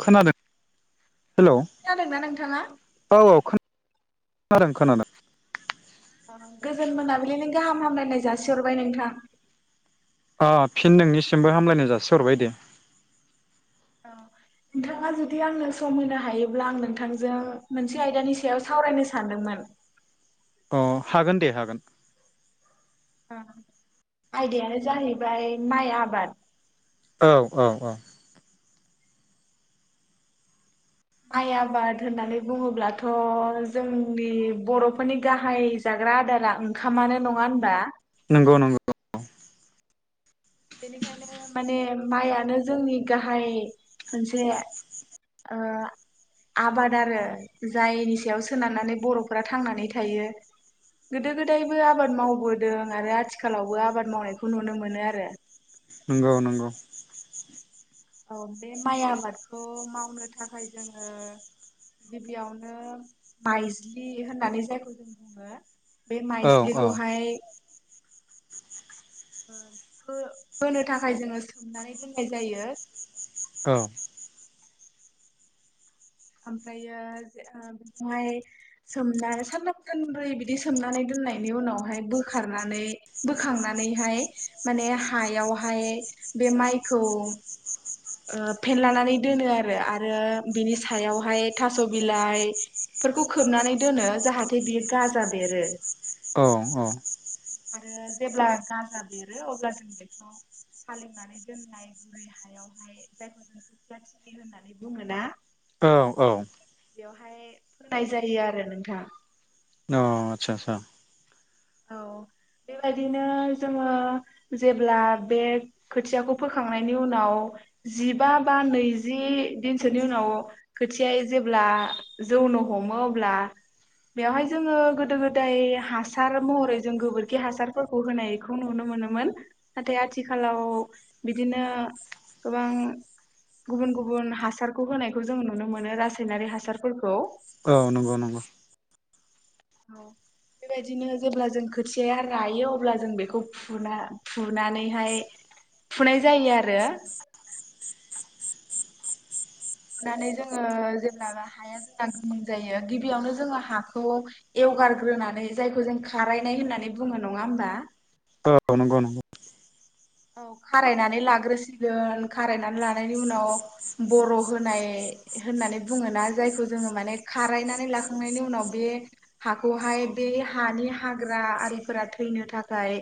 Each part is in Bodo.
खोनादों? हेलौ खोनादोंना नोंथाङा औ औ खोनादों खोनादों। गोजोन मोनाबिलिनि गाहाम हामलायनाय जासिहरबाय नोंथां। अ फिन नोंनिसिमबो हामलायनाय जासिहरबाय दे। नोंथाङा जुदि आंनो सम होनो हायोब्ला आं नोंथांजों मोनसे आयदानि सायाव सावरायनो सानदोंमोन। अ हागोन दे हागोन। आयदायानो जाहैबाय माइ आबाद औ औ औ। माइ आबाद होननानै बुङोब्लाथ' जोंनि बर'फोरनि गाहाय जाग्रा आदारा ओंखामानो नङा होनबा नंगौ नंगौ। बेनिखायनो माने माइयानो जोंनि गाहाय मोनसे ओ आबाद आरो जायनि सायाव सोनारनानै बर'फोरा थांनानै थायो गोदो गोदायबो आबाद मावबोदों आरो आथिखालावबो आबाद मावनायखौ नुनो मोनो आरो। नोंगौ नोंगौ। औ बे माइ आबादखौ मावनो थाखाय जोङो गिबियावनो माइज्लि होननानै जायखौ जों बुङो। बे औ माइस्लिखौहाय फो-फोनो थाखाय जोङो सोमनानै दोननाय जायो। औ। ओमफ्रायो बेखौहाय सोमना सानथाब सानब्रै बिदि सोमनानै दोननायनि उनावहाय बोखारनानै बोखांनानैहाय माने हायावहाय बे माइखौ ओ फेनलानानै दोनो आरो, आरो बिनि सायावहाय थास' बिलाइ फोरखौ खोबनानै दोनो जाहाथे बियो गाजा बेरो। अ अ आरो जेब्ला गाजा बेरो अब्ला जों बेखौ हालेवनानै दोननाय गुरै हायावहाय जायखौ जों खोथिया थिलि होननानै बुङोना औ औ बेवहाय [unintelligible] जायो आरो नोंथां अ आतसा आसा औ बेबायदिनो जोङो जेब्ला बे खोथियाखौ फोखांनायनि उनाव जिबा बा नैजि दिनसोनि उनाव खोथिया जेब्ला जौनो हमो अब्ला बेवहाय जोङो गोदो गोदाय हासार हासार महरै जों गोबोरखि हासारफोरखौ होनायखौ नुनो मोनोमोन नाथाय आथिखालाव बिदिनो गोबां गुबुन गुबुन हासारखौ होनायखौ जों नुनो मोनो रासायनारि हासारफोरखौ औ नंगौ नंगौ औ बेबायदिनो जेब्ला जों खोथियाया रायो अब्ला जों बेखौ फुना फुनानैहाय फुनाय जायो आरो फुनानै जोङो जेब्लाबा हाया जोंना गोमोन जायो गिबियावनो जोङो हाखौ एवगारग्रोनानै जायखौ जों खारायनाय होननानै बुङो नङा होमबा औ नंगौ नंगौ औ खारायनानै लाग्रोसिगोन खारायनानै लानायनि उनाव बर' होनाय होननानै बुङोना जायखौ जोङो माने खारायनानै लाखांनायनि उनाव बे हाखौहाय बे हानि हाग्रा आरिफोरा थैनो थाखाय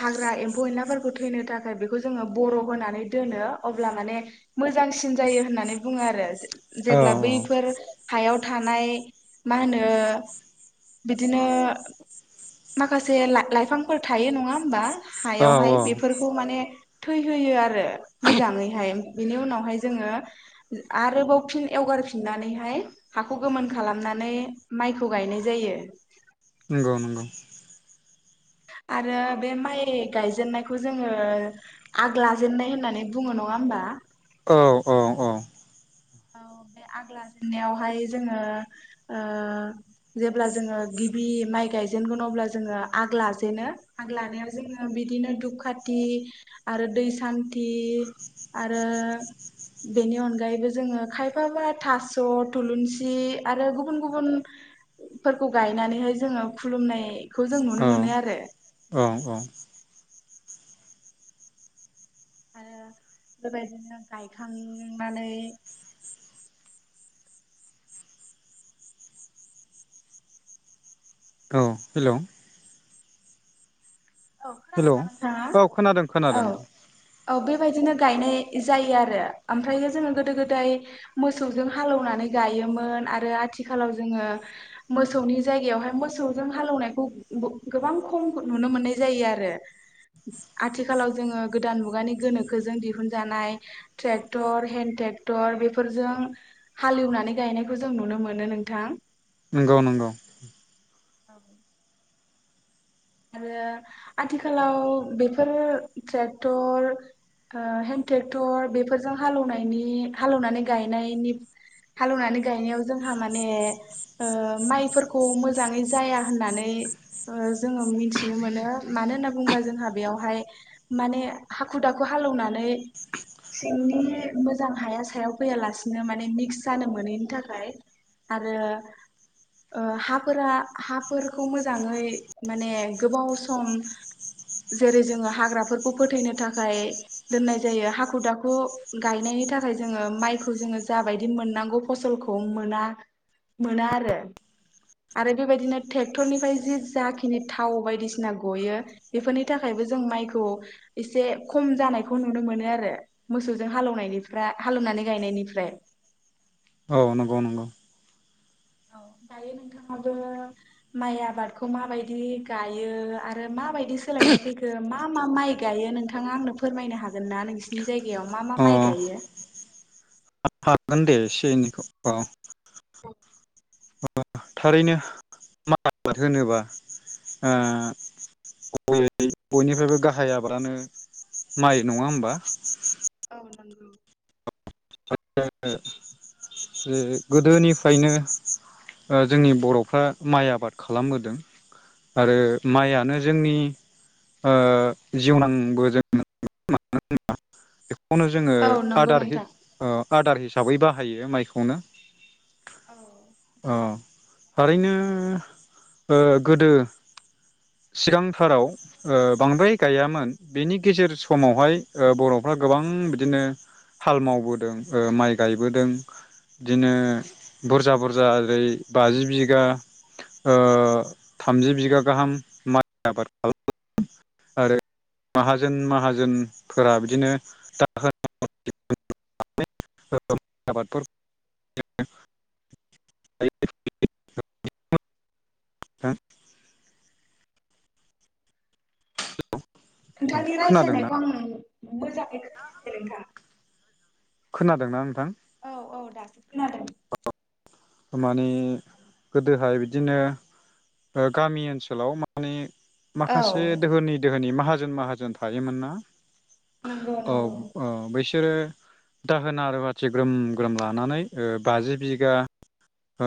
हाग्रा एम्फौ एनला फोरखौ थैनो थाखाय बेखौ जोङो बर' होनानै दोनो अब्ला माने मोजांसिन जायो होननानै बुङो आरो औ जेब्ला बैफोर हायाव थानाय मा होनो बिदिनो माखासे ला लाइफांफोर थायो नङा होमबा औ हायावहाय औ बेफोर खौ माने थै होयो आरो मोजाङैहाय बेनि उनावहाय जोङो आरोबाव फिन एवगारफिननानैहाय हाखौ गोमोन खालामनानै माइखौ गायनाय जायो। नंगौ नंगौ आरो बे माइ गायजेननायखौ जोङो आग लाजेननाय होननानै बुङो नङा होमबा औ औ औ औ बे आग लाजेननायावहाय जोङो ओ जेब्ला जोङो गिबि माइ गायजेनगोन अब्ला जोङो आग लाजेनो आग लानायाव जोङो बिदिनो दुखाथि आरो दै सान्थि आरो बेनि अनगायैबो जोङो खायफा मा थास' थुलुंसि आरो गुबुन गुबुन फोरफोरखौ गायनानैहाय जोङो खुलुमनायखौ जों औ नुनो मोनो आरो औ आरो बेबायदिनो गायखांनानै औ हेलौ औ खोनादों हेलौ ना नोंथाङा औ खोनादों खोनादों औ औ बेबायदिनो गायनाय जायो आरो ओमफ्रायो जोङो गोदो गोदाय मोसौजों हालएवनानै गायोमोन आरो आथिखालाव जोङो मोसौनि जायगायावहाय मोसौजों हालौनायखौ ग गोबां खम नुनो मोननाय जायो। जायो आरो आथिखालाव जोङो गोदान मुगानि गोनोखोजों दिहुनजानाय ट्रेक्टर हेन्दड ट्रेक्टर बेफोरजों हालेवनानै गायनायखौ जों नुनो मोनो नोंथां नंगौ नंगौ औ आरो आथिखालाव बेफोर ट्रेक्टर ओ हेन्द ट्रेक्टर बेफोरजों हालएवनायनि हालएवलनानै गायनायनि हालएवनानै गायनायाव जोंहा माने ओ माइफोरखौ मोजाङै जाया होननानै जो जोङो मिथिनो मोनो मानो होनना बुंङोबा जोंहा बेयावहाय माने हाखु दाखु हालएवनानै सिंनि मोजां हाया सायाव फैयालासिनो माने मिक्स जानो मोनैनि थाखाय आरो हाफोरा हाफोरखौ मोजाङै माने गोबाव सम जेरै जोङो हाग्राफोरखौ फोथैनो थाखाय दोननाय जायो हाखु दाखु गायनायनि थाखाय जोङो माइखौ जोङो जाबायदि मोननांगौ फसलखौ मोना मोना आरो आरो बेबायदिनो ट्रेक्टरनिफ्राय जि जा खिनि थाव बायदिसिना गयो बेफोरनि थाखायबो जों माइखौ एसे खम जानायखौ नुनो मोनो आरो मोसौजों हालएवनायनिफ्रा हालएवनानै गायनायनिफ्राय औ नंगौ नंगौ औ दायो नोंथाङाबो माइ आबादखौ माबायदि गायो आरो माबायदि सोलायनाय फैखो मा मा माइ गायो नोंथाङा आंनो फोरमायनो हागोन ना नोंसिनि जायगायाव मा मा अ माइ गायो? हागोन दे एसे एनैखौ औ [unintelligible] थारैनो माइ आबाद होनोबा ओ बयनिफ्रायबो गाहाय आबादानो माइ नङा होमबा? नोंगौ जे गो गोदोनिफ्रायनो ओ जोंनि बर'फ्रा माइ आबाद खालामबोदों आरो माइयानो जोंनि ओ जिउनांबो [unintelligible] जों न मानो होनबा बेखौनो जोङो औ नंगौ आदार हो नोंथां ओ आदार हिसाबै बाहायो माइखौनो औ थारैनो ओ गोदो सिगांथाराव ओ बांद्राय गायामोन बेनि गेजेर समावहाय ओ बर'फ्रा गोबां बिदिनो हाल मावबोदों ओ माइ गायबोदों बिदिनो बुरजा बुरजा ओरै बाजि बिगा ओ थामजि बिगा गाहाम माइ आबाद खालाम आरो माहाजोन माहाजोनफोरा बिदिनो द आबाद [unintelligible] [unintelligible] नोंथांनि खोनादोंना रायज्लायनायखौ आं मोजाङै खोनायाखै नोंथां खोनादोंना नोंथां औ औ दासो खोनादों माने गोदोहाय बिदिनो ओ गामि ओनसोलाव माने औ माखासे दोहोनि दोहोनि मा माहाजोन माहाजोन थायोमोन ना नंगौ औ नंगौ ओ बैस सोरो दाहोना रुवाथि ग्रोम ग्रोम लानानै ओ बाजि बिगा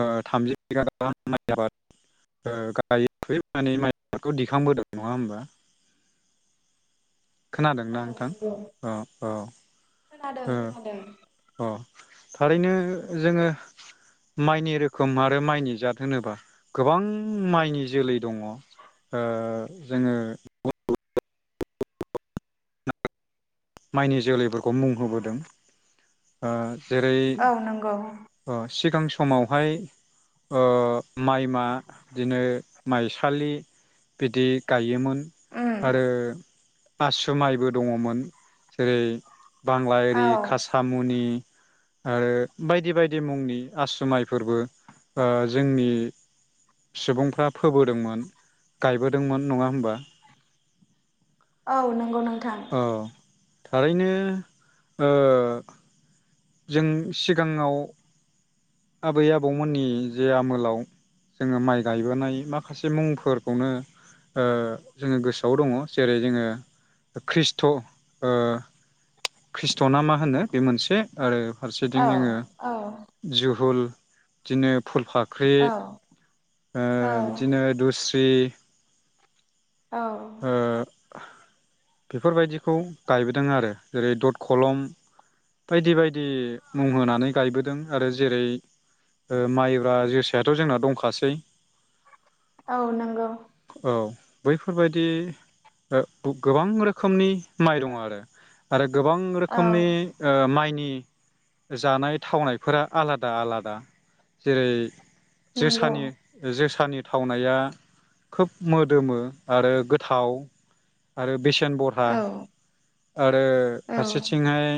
ओ थामजि बिगा गाहाम माइ आबाद गायनानै माइ आबादखौ दिखांबोदों नङा होमबा खोनादोंना औ नोंथां नंगौ औ औ खोनादों ओ खोनादों अ थारैनो जोङो माइनि रोखोम आरो माइनि जाद होनोब्ला गोबां माइनि जोलै दङ ओ जोङो [unintelligible] माइनि जोलैफोरखौ मुं होबोदों ओ जेरै औ नंगौ ओ सिगां समावहाय ओ माइमा बिदिनो माइसालि बिदि गायोमोन उम आरो आसु माइबो दङमोन जेरै बांला औ इरि खासामुनि आरो बायदि बायदि मुंनि आसु माइफोरबो ओ जोंनि सुबुंफ्रा फोबोदोंमोन गायबोदोंमोन नङा होमबा औ नंगौ नों औ थारैनो ओ जों सिगाङाव आबै आबौमोननि जे आमोलाव जोङो माइ गायबोनाय माखासे मुंफोरखौनो ओ जोङो गोसोआव दङ जेरै जोङो खृष्ट ओ खृष्ट' ना मा होनो बे मोनसे आरो फारसेथिं औ जोङो औ जु धुल दिनो फुलफाख्रि औ ओ औ बिदिनो दुस्रि औ ओ बेफोरबायदिखौ गायबोदों आरो जेरै दद खलं बायदि बायदि मुं होनानै गायबोदों आरो जेरै ओ माइब्रा जोसायाथ' जोंना दंखासै औ नंगौ बैफोरबाय दि गोबां रोखोमनि माइ दङ आरो आरो गोबां औ रोखोमनि ओ माइ नि जानाय थावनायफोरा आलादा आलादा जेरै नंगौ जोसानि जोसा सानि थावनाया खोब मोदोमो आरो गोथाव आरो बेसे सेन बरहा औ आरो औ फारसेथिंयै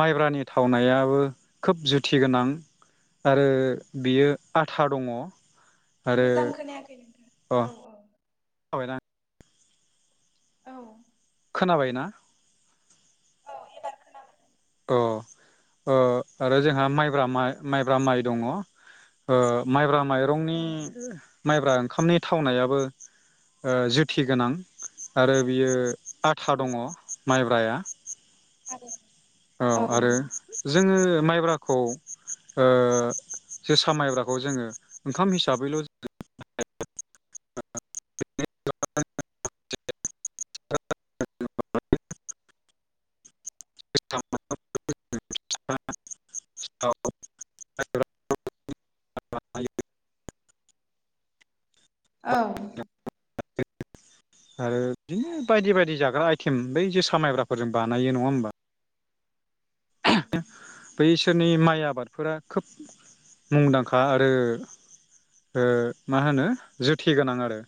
माइब्रानि थावनायाबो खोब जुथि गोनां आरो बियो आथा दङ। आरो मोजां खोनायाखै नोंथां अ औ औ [unintelligible] औ खोनाबाय ना? औ एबार खोनाबाय अ आरो जोंहा माइब्रा माइब्रा माइ दङ माइब्रा माइरंनि माइब्रा ओंखामनि थावनायाबो जुथि गोनां आरो बियो आथा दङ माइब्राया आरो औ आरो जोङो माइब्राखौ जोसा माइब्राखौ जोङो ओंखाम हिसाबैल' [unintelligible] [unintelligible] औ [unintelligible] आरो बिदिनो बायदि बायदि जाग्रा आइथेम बै जोसा मायब्राफोरजों बानायो नङा होमबा बै इसोरनि माइआ आबादफोरा खोब मुंदांखा आरो मा होनो जोथे गोनां आरो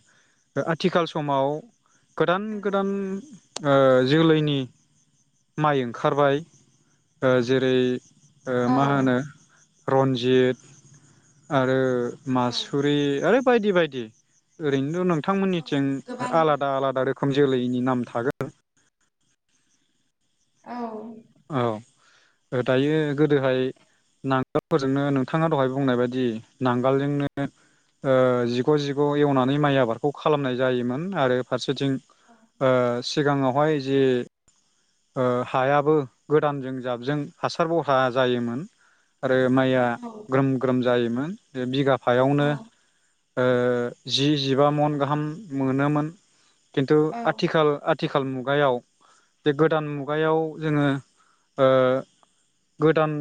आथिखाल समाव गोदान नंगौ गोदान नोंथां ओ जोलैनि माइ ओंखारबाय जेरै औ मा होनो रन्जित आरो औ मासुरि आरो बायदि बायदि ओरैनोथ' नं औ थांमोननिथिं गोबां आलादा आलादा रो खोम जोलैनि नाम थागोन। औ औ दायो गोदोहाय नांगोलफोरजोंनो नोंथाङा दहाय बुंनाय बायदि नांगोलजोंनो जिग' जिग' एवनानै माइ आबादखौ खालामनाय जायोमोन आरो फारसे बिथिं औ ओ सिगाङावहाय जे हायाबो गोदानजों जाबजों हासारबरहा जायोमोन आरो माइआ ग्रोम ग्रोम जायोमोन बे बिघा फायावनो औ ओ जि जिबा मन गाहाम मोनोमोन खिन्थु औ आथिखाल आथ थिखाल मुगायाव बे गोदान मुगायाव जोङो ओ गोदान